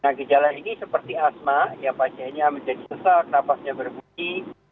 nah gejala ini seperti asma yang pasiennya menjadi sesak nafasnya berbunyi